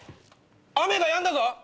雨がやんだぞ！